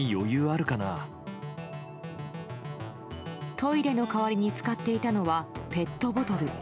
トイレの代わりに使っていたのはペットボトル。